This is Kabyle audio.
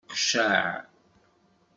Qceɛ!